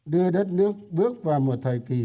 đưa đất nước bước vào một thời kỳ